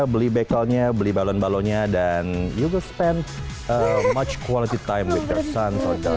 beli bekalnya beli balon balonnya dan juga stand as a lunch owner time nutri mission